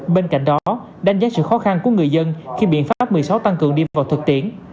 bên cạnh đó đánh giá sự khó khăn của người dân khi biện pháp một mươi sáu tăng cường đi vào thực tiễn